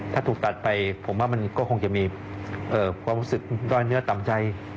ถ้าถูกตัดไปผมว่ามันก็คงจะมีความรู้สึกด้อยเนื้อต่ำใจ